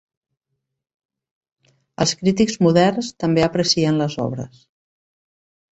Els crítics moderns també aprecien les obres.